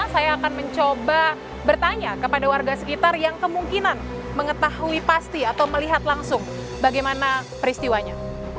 saya akan mencoba bertanya kepada warga sekitar yang kemungkinan mengetahui pasti atau melihat langsung bagaimana peristiwanya